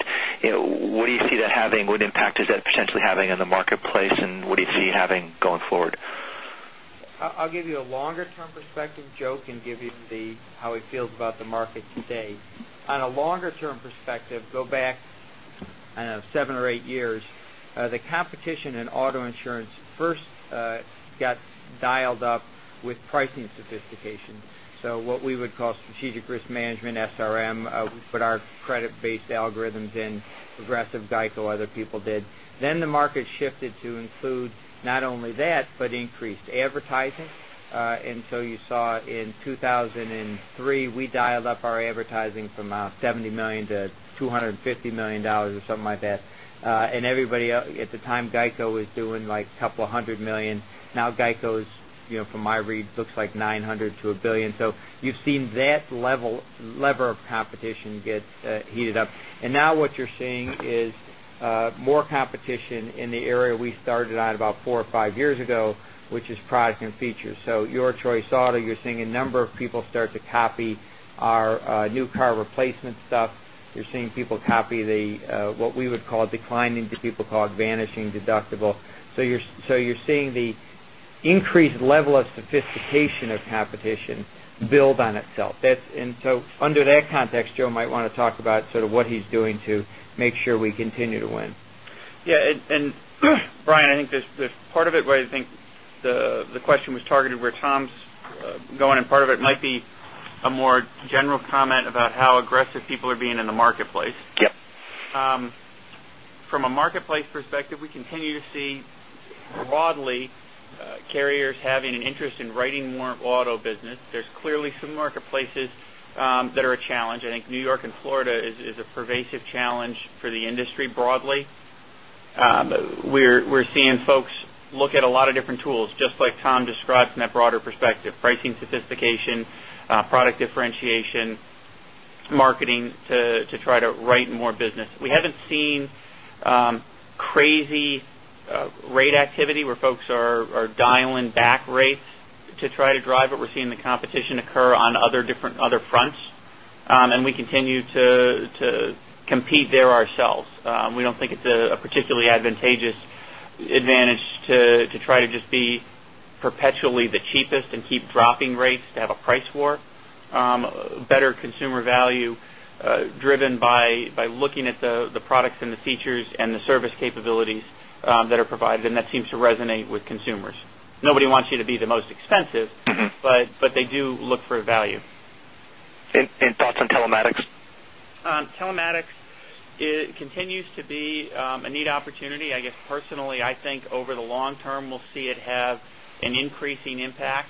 what impact is that potentially having in the marketplace, what do you see it having going forward? I'll give you a longer-term perspective. Joe can give you how he feels about the market today. On a longer-term perspective, go back 7 or 8 years. The competition in auto insurance first got dialed up with pricing sophistication. What we would call strategic risk management, SRM. We put our credit-based algorithms in. Progressive, GEICO, other people did. The market shifted to include not only that but increased advertising. You saw in 2003, we dialed up our advertising from $70 million to $250 million or something like that. Everybody at the time, GEICO was doing a couple of hundred million. Now GEICO's, from my read, looks like $900 million to a billion. You've seen that lever of competition get heated up. Now what you're seeing is more competition in the area we started at about 4 or 5 years ago, which is product and features. Your Choice Auto, you're seeing a number of people start to copy our new car replacement stuff. You're seeing people copy what we would call declining, but people call it vanishing deductible. You're seeing the increased level of sophistication of competition build on itself. Under that context, Joe might want to talk about sort of what he's doing to make sure we continue to win. Yeah. Brian, I think there's part of it where I think the question was targeted where Tom's going, and part of it might be a more general comment about how aggressive people are being in the marketplace. Yep. From a marketplace perspective, we continue to see broadly carriers having an interest in writing more auto business. There's clearly some marketplaces that are a challenge. I think New York and Florida is a pervasive challenge for the industry broadly. We're seeing folks look at a lot of different tools, just like Tom described from that broader perspective, pricing sophistication, product differentiation marketing to try to write more business. We haven't seen crazy rate activity where folks are dialing back rates to try to drive it. We're seeing the competition occur on other different fronts. We continue to compete there ourselves. We don't think it's a particularly advantageous advantage to try to just be perpetually the cheapest and keep dropping rates to have a price war. Better consumer value driven by looking at the products and the features and the service capabilities that are provided, and that seems to resonate with consumers. Nobody wants you to be the most expensive They do look for value. Any thoughts on telematics? Telematics continues to be a neat opportunity. I guess personally, I think over the long term, we'll see it have an increasing impact.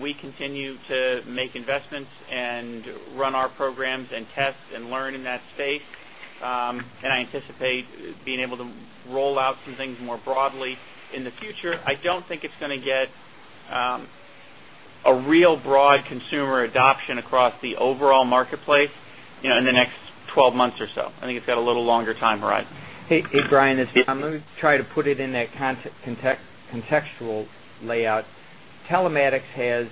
We continue to make investments and run our programs and test and learn in that space. I anticipate being able to roll out some things more broadly in the future. I don't think it's going to get a real broad consumer adoption across the overall marketplace, in the next 12 months or so. I think it's got a little longer time horizon. Hey, Brian, it's Tom. Let me try to put it in a contextual layout. Telematics has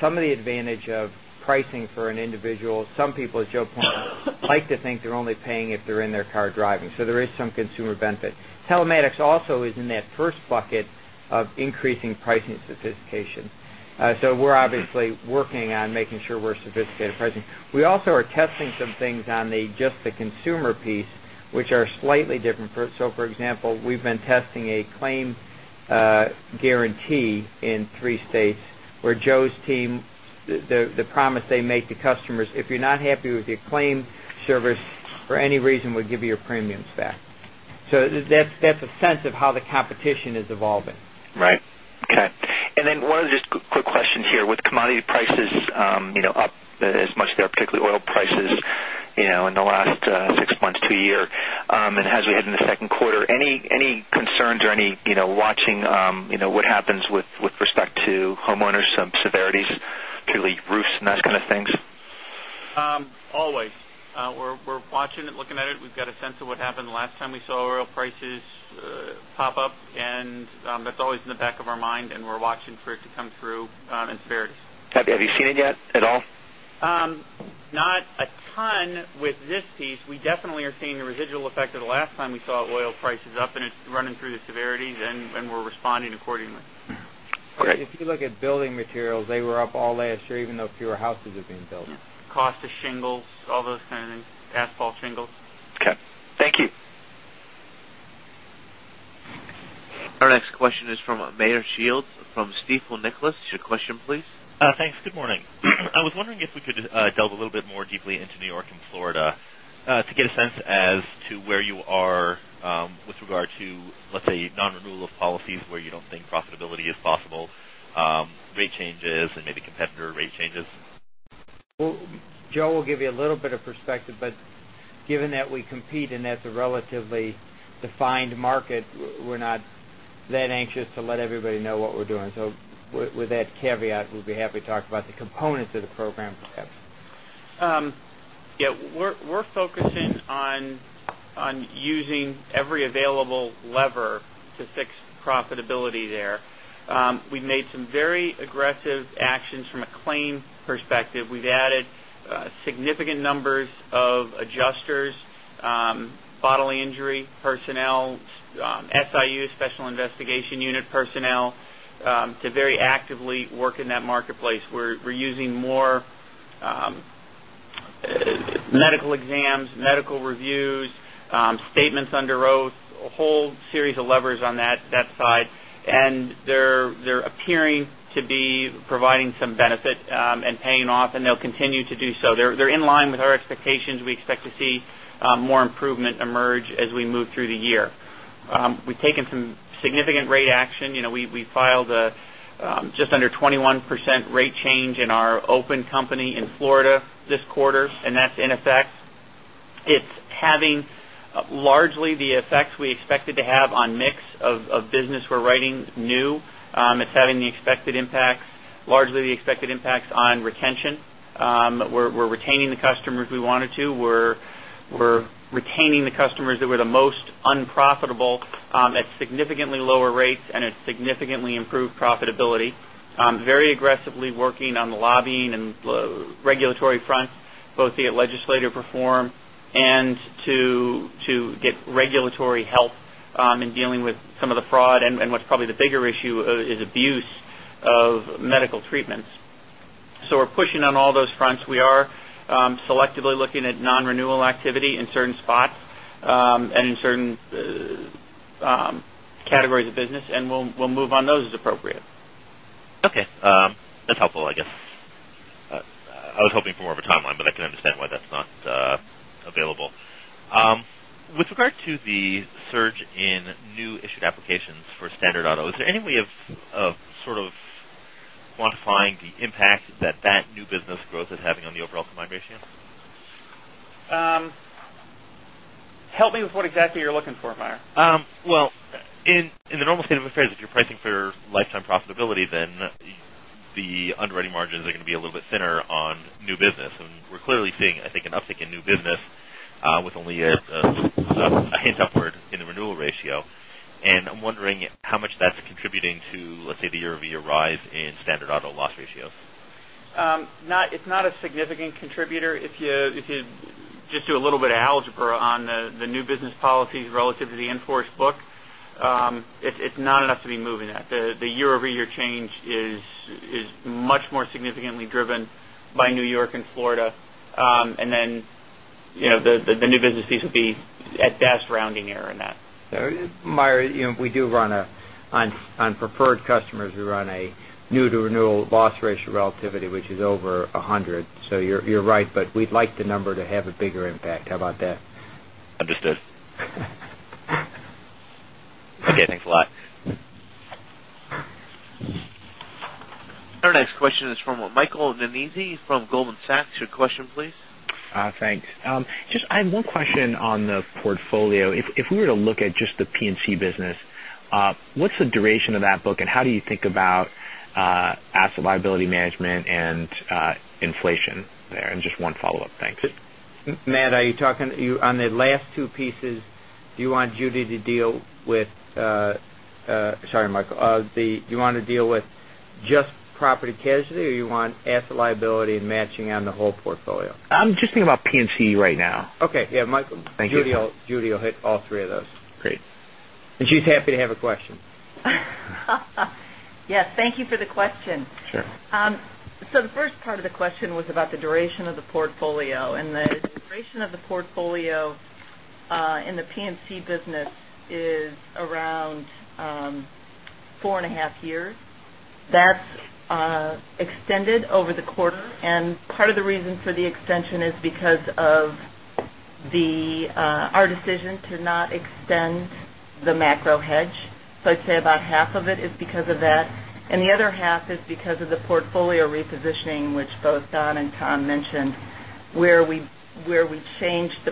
some of the advantage of pricing for an individual. Some people, as Joe pointed out, like to think they're only paying if they're in their car driving. There is some consumer benefit. Telematics also is in that first bucket of increasing pricing sophistication. We're obviously working on making sure we're sophisticated in pricing. We also are testing some things on just the consumer piece, which are slightly different. For example, we've been testing a Claim Satisfaction Guarantee in three states where Joe's team, the promise they make to customers, if you're not happy with your claim service for any reason, we'd give you your premiums back. That's a sense of how the competition is evolving. Right. Okay. One other just quick question here. With commodity prices up as much as they are, particularly oil prices in the last six months to a year, as we head into the second quarter, any concerns or any watching what happens with respect to homeowners, some severities, particularly roofs and those kind of things? Always. We're watching it, looking at it. We've got a sense of what happened the last time we saw oil prices pop up, and that's always in the back of our mind, and we're watching for it to come through in severities. Have you seen it yet at all? Not a ton with this piece. We definitely are seeing the residual effect of the last time we saw oil prices up, and it's running through the severities, and we're responding accordingly. Okay. If you look at building materials, they were up all last year, even though fewer houses are being built. Yes. Cost of shingles, all those kind of things. Asphalt shingles. Okay. Thank you. Our next question is from Meyer Shields from Stifel Nicolaus. Your question, please. Thanks. Good morning. I was wondering if we could delve a little bit more deeply into New York and Florida to get a sense as to where you are with regard to, let's say, non-renewal of policies where you don't think profitability is possible, rate changes, and maybe competitor rate changes. Well, Joe will give you a little bit of perspective, but given that we compete and that's a relatively defined market, we're not that anxious to let everybody know what we're doing. With that caveat, we'll be happy to talk about the components of the program. Yeah. We're focusing on using every available lever to fix profitability there. We've made some very aggressive actions from a claim perspective. We've added significant numbers of adjusters, bodily injury personnel, SIU, special investigation unit personnel, to very actively work in that marketplace. We're using more medical exams, medical reviews, statements under oath, a whole series of levers on that side. They're appearing to be providing some benefit and paying off, and they'll continue to do so. They're in line with our expectations. We expect to see more improvement emerge as we move through the year. We've taken some significant rate action. We filed just under a 21% rate change in our open company in Florida this quarter, and that's in effect. It's having largely the effects we expected to have on mix of business we're writing new. It's having the expected impacts, largely the expected impacts on retention. We're retaining the customers we wanted to. We're retaining the customers that were the most unprofitable at significantly lower rates and at significantly improved profitability. Very aggressively working on the lobbying and regulatory fronts, both via legislative reform and to get regulatory help in dealing with some of the fraud and what's probably the bigger issue is abuse of medical treatments. We're pushing on all those fronts. We are selectively looking at non-renewal activity in certain spots and in certain categories of business, and we'll move on those as appropriate. Okay. That's helpful, I guess. I was hoping for more of a timeline, but I can understand why that's not available. With regard to the surge in new issued applications for standard auto, is there any way of sort of quantifying the impact that new business growth is having on the overall combined ratio? Help me with what exactly you're looking for, Meyer. Well, in the normal state of affairs, if you're pricing for lifetime profitability, the underwriting margins are going to be a little bit thinner on new business. We're clearly seeing, I think, an uptick in new business with only a hint upward in the renewal ratio. I'm wondering how much that's contributing to, let's say, the year-over-year rise in standard auto loss ratios. It's not a significant contributor. If you just do a little bit of algebra on the new business policies relative to the in-force book, it's not enough to be moving that. The year-over-year change is much more significantly driven by New York and Florida. The new business fees will be at best rounding error in that. Meyer, on preferred customers, we run a new to renewal loss ratio relativity, which is over 100. You're right, we'd like the number to have a bigger impact. How about that? Understood. Okay, thanks a lot. Our next question is from Michael Nannizzi from Goldman Sachs. Your question, please. Thanks. Just I have one question on the portfolio. If we were to look at just the P&C business, what's the duration of that book, and how do you think about asset liability management and inflation there? Just one follow-up. Thanks. Matt, on the last two pieces, do you want Judy to deal with, sorry, Michael, do you want to deal with just property casualty, or you want asset liability and matching on the whole portfolio? I'm just thinking about P&C right now. Okay. Yeah, Michael. Thank you. Judy will hit all three of those. Great. She's happy to have a question. Yes. Thank you for the question. Sure. The first part of the question was about the duration of the portfolio, and the duration of the portfolio in the P&C business is around four and a half years. That's extended over the quarter, part of the reason for the extension is because of our decision to not extend the macro hedge. I'd say about half of it is because of that, and the other half is because of the portfolio repositioning, which both Don and Tom mentioned, where we changed the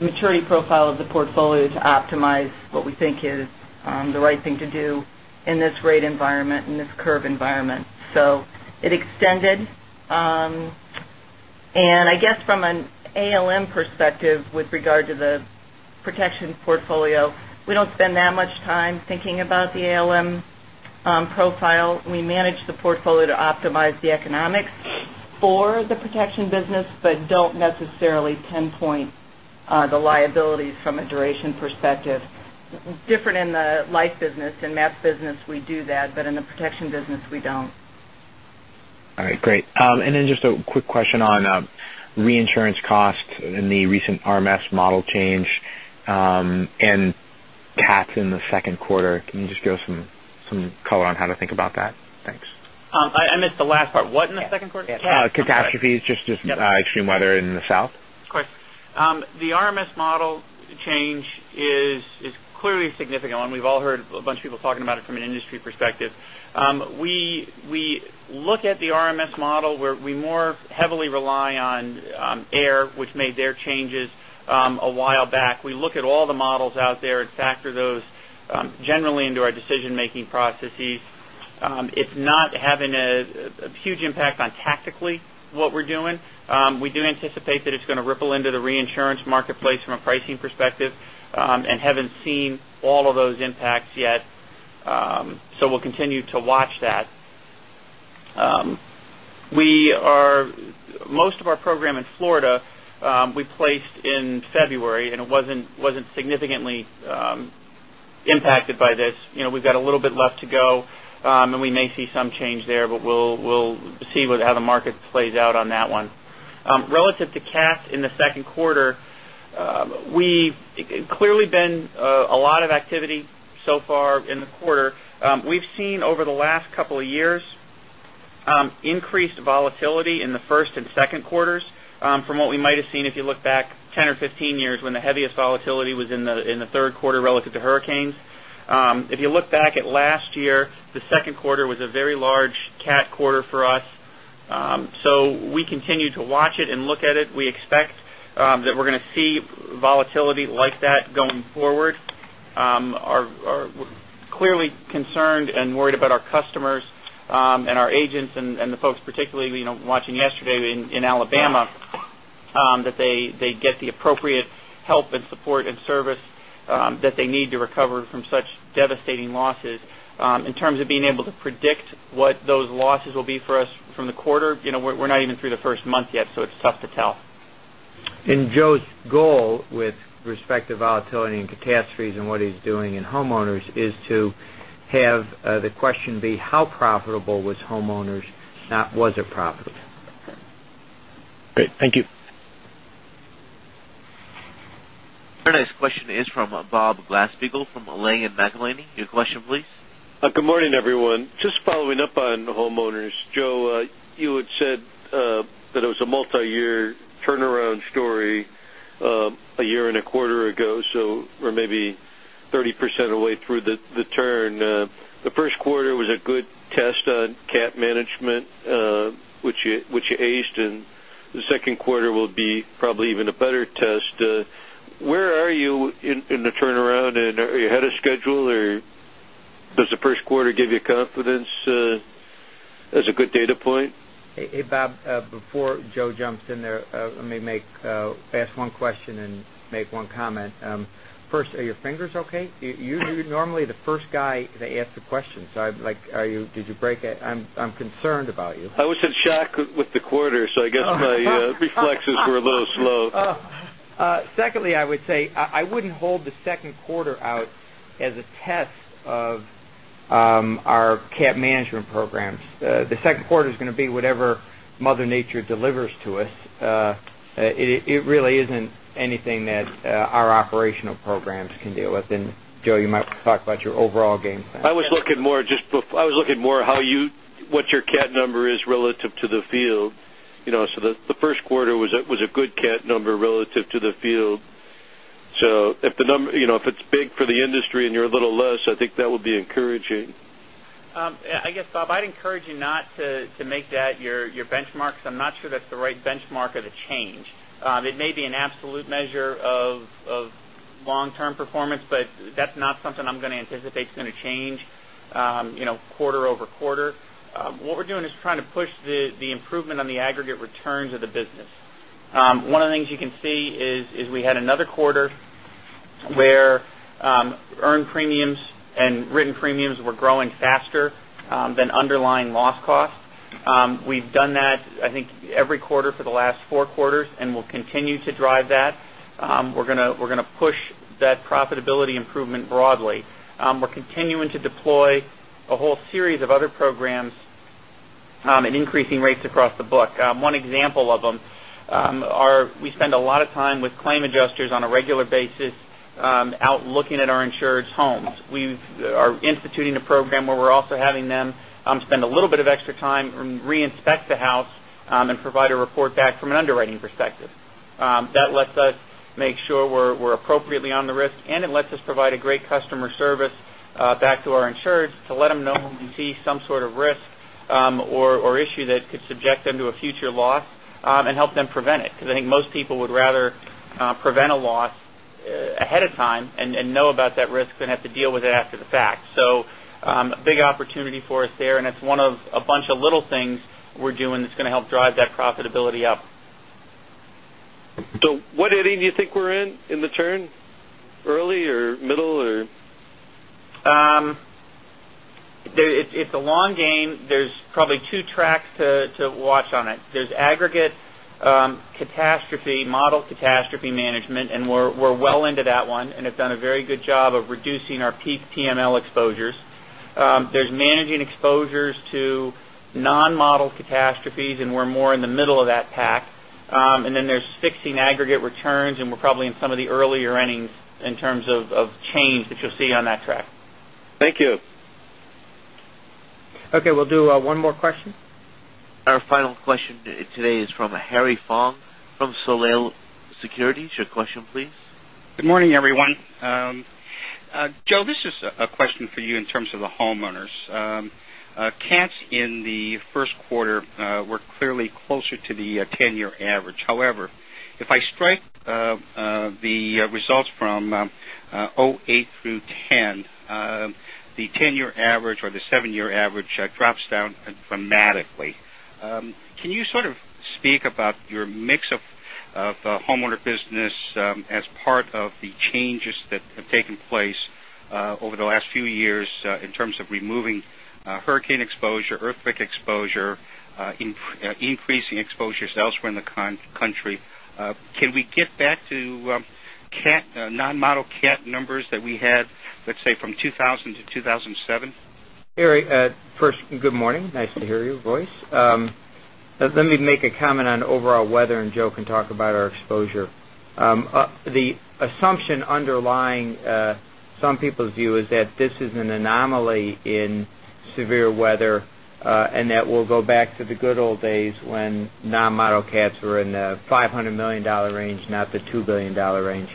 maturity profile of the portfolio to optimize what we think is the right thing to do in this rate environment, in this curve environment. It extended. I guess from an ALM perspective with regard to the protection portfolio, we don't spend that much time thinking about the ALM profile. We manage the portfolio to optimize the economics for the protection business, don't necessarily pinpoint the liabilities from a duration perspective. Different in the life business. In that business, we do that, but in the protection business, we don't. All right, great. Just a quick question on reinsurance costs in the recent RMS model change and cats in the second quarter. Can you just give some color on how to think about that? Thanks. I missed the last part. What in the second quarter? Catastrophes, just extreme weather in the south. Of course. The RMS model change is clearly significant, and we've all heard a bunch of people talking about it from an industry perspective. We look at the RMS model where we more heavily rely on AIR, which made their changes a while back. We look at all the models out there and factor those generally into our decision-making processes. It's not having a huge impact on tactically what we're doing. We do anticipate that it's going to ripple into the reinsurance marketplace from a pricing perspective and haven't seen all of those impacts yet. We'll continue to watch that. Most of our program in Florida we placed in February, and it wasn't significantly impacted by this. We've got a little bit left to go, and we may see some change there, but we'll see how the market plays out on that one. Relative to cats in the second quarter, clearly been a lot of activity so far in the quarter. We've seen over the last couple of years increased volatility in the first and second quarters from what we might have seen if you look back 10 or 15 years when the heaviest volatility was in the third quarter relative to hurricanes. If you look back at last year, the second quarter was a very large cat quarter for us. We continue to watch it and look at it. We expect that we're going to see volatility like that going forward. We're clearly concerned and worried about our customers and our agents and the folks, particularly watching yesterday in Alabama, that they get the appropriate help and support and service that they need to recover from such devastating losses. In terms of being able to predict what those losses will be for us from the quarter, we're not even through the first month yet, so it's tough to tell. Joe's goal with respect to volatility and catastrophes and what he's doing in homeowners is to have the question be how profitable was homeowners, not was it profitable? Great. Thank you. Our next question is from Bob Glasspiegel from Langen McAlenney. Your question, please. Good morning, everyone. Following up on homeowners. Joe, you had said that it was a multi-year turnaround story a year and a quarter ago or maybe 30% of the way through the turn. The first quarter was a good test on cat management, which you aced, the second quarter will be probably even a better test. Where are you in the turnaround? Are you ahead of schedule, or does the first quarter give you confidence as a good data point? Hey, Bob, before Joe jumps in there, let me ask one question and make one comment. Are your fingers okay? You're normally the first guy to ask the question. I'm concerned about you. I was in shock with the quarter, I guess my reflexes were a little slow. Secondly, I would say, I wouldn't hold the second quarter out as a test of our cat management programs. The second quarter is going to be whatever Mother Nature delivers to us. It really isn't anything that our operational programs can deal with, and Joe, you might talk about your overall game plan. I was looking more at what your cat number is relative to the field. The first quarter was a good cat number relative to the field. If it's big for the industry and you're a little less, I think that would be encouraging. I guess, Bob, I'd encourage you not to make that your benchmark because I'm not sure that's the right benchmark or the change. It may be an absolute measure of long-term performance, but that's not something I'm going to anticipate is going to change quarter-over-quarter. What we're doing is trying to push the improvement on the aggregate returns of the business. One of the things you can see is we had another quarter where earned premiums and written premiums were growing faster than underlying loss costs. We've done that, I think, every quarter for the last four quarters, and we'll continue to drive that. We're going to push that profitability improvement broadly. We're continuing to deploy a whole series of other programs and increasing rates across the book. One example of them are we spend a lot of time with claim adjusters on a regular basis out looking at our insured's homes. We are instituting a program where we're also having them spend a little bit of extra time and re-inspect the house and provide a report back from an underwriting perspective. That lets us make sure we're appropriately on the risk, and it lets us provide a great customer service back to our insureds to let them know when we see some sort of risk or issue that could subject them to a future loss and help them prevent it because I think most people would rather prevent a loss ahead of time and know about that risk than have to deal with it after the fact. Big opportunity for us there, and it's one of a bunch of little things we're doing that's going to help drive that profitability up. What inning do you think we're in the turn? Early or middle or? It's a long game. There's probably two tracks to watch on it. There's aggregate catastrophe, model catastrophe management, and we're well into that one and have done a very good job of reducing our peak PML exposures. There's managing exposures to non-model catastrophes, and we're more in the middle of that pack. Then there's fixing aggregate returns, and we're probably in some of the earlier innings in terms of change that you'll see on that track. Thank you. Okay. We'll do one more question. Our final question today is from Harry Fong from Soleil Securities. Your question, please. Good morning, everyone. Joe, this is a question for you in terms of the homeowners. Cats in the first quarter were clearly closer to the 10-year average. However, if I strike the results from 2008 through 2010, the 10-year average or the seven-year average drops down dramatically. Can you sort of speak about your mix of homeowner business as part of the changes that have taken place over the last few years in terms of removing hurricane exposure, earthquake exposure, increasing exposures elsewhere in the country? Can we get back to non-model cat numbers that we had, let's say, from 2000 to 2007? Harry, first, good morning. Nice to hear your voice. Let me make a comment on overall weather, and Joe can talk about our exposure. The assumption underlying some people's view is that this is an anomaly in severe weather and that we'll go back to the good old days when non-model cats were in the $500 million range, not the $2 billion range.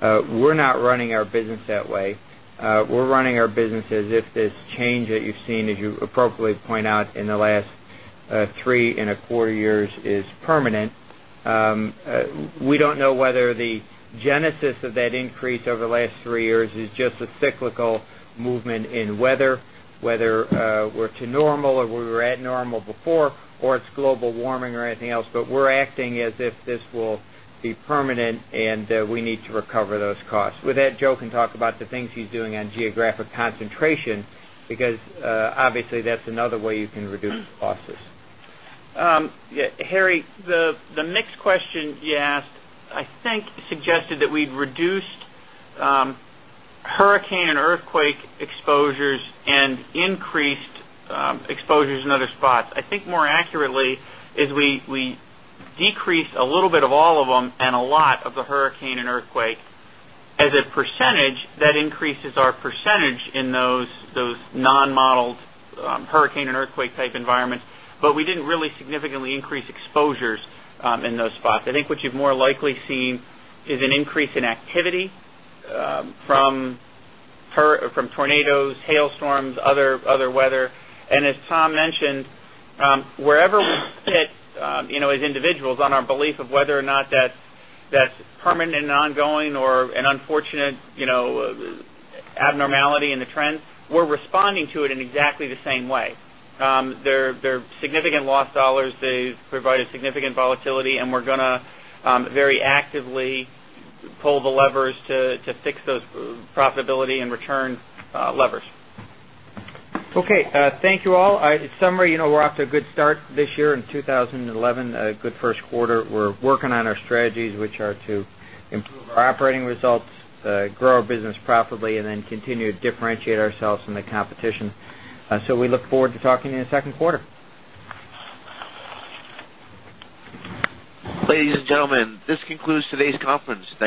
We're not running our business that way. We're running our business as if this change that you've seen, as you appropriately point out, in the last three and a quarter years is permanent. We don't know whether the genesis of that increase over the last three years is just a cyclical movement in weather, whether we're to normal or we were at normal before, or it's global warming or anything else. We're acting as if this will be permanent, and we need to recover those costs. With that, Joe can talk about the things he's doing on geographic concentration because obviously that's another way you can reduce losses. Harry, the mixed question you asked, I think, suggested that we'd reduced hurricane and earthquake exposures and increased exposures in other spots. I think more accurately is we decreased a little bit of all of them and a lot of the hurricane and earthquake as a percentage that increases our percentage in those non-modeled hurricane and earthquake type environments. We didn't really significantly increase exposures in those spots. I think what you've more likely seen is an increase in activity from tornadoes, hailstorms, other weather. As Tom mentioned, wherever we sit as individuals on our belief of whether or not that's permanent and ongoing or an unfortunate abnormality in the trend, we're responding to it in exactly the same way. They're significant loss dollars. They provide a significant volatility, and we're going to very actively pull the levers to fix those profitability and return levers. Okay. Thank you all. In summary, we're off to a good start this year in 2011. A good first quarter. We're working on our strategies, which are to improve our operating results, grow our business profitably, continue to differentiate ourselves from the competition. We look forward to talking to you in the second quarter. Ladies and gentlemen, this concludes today's conference. Thank you.